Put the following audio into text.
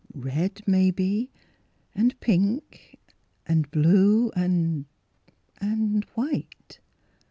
" Red, maybe, and pink and blue and — and white."